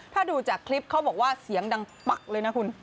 ถ้าดูจากคลิปเขาบอกว่าเสียงดังปักเลยนะคุณ